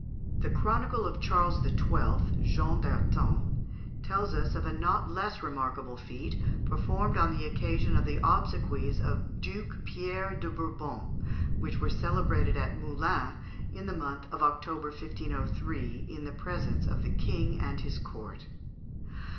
The chronicler of Charles XII., Jean d'Arton, tells us of a not less remarkable feat, performed on the occasion of the obsequies of Duke Pierre de Bourbon, which were celebrated at Moulins, in the month of October, 1503, in the presence of the king and the court.